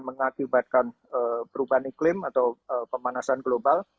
mengakibatkan perubahan iklim atau pemanasan global